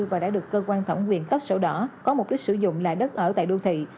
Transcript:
và đã được cơ quan thẩm quyền cấp sổ đỏ có mục đích sử dụng là đất ở tại đô thị